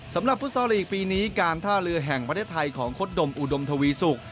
ฟุตซอลลีกปีนี้การท่าเรือแห่งประเทศไทยของคดดมอุดมทวีศุกร์